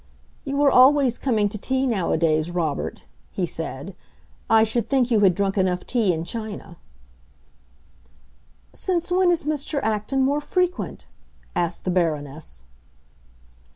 "You are always coming to tea nowadays, Robert," he said. "I should think you had drunk enough tea in China." "Since when is Mr. Acton more frequent?" asked the Baroness.